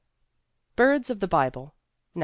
Birds of the Bible, 1909.